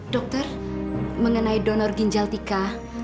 dokter mengenai donor ginjal tika